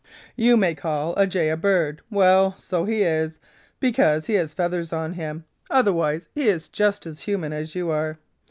"You may call a jay a bird. Well, so he is, because he has feathers on him. Otherwise, he is just as human as you are.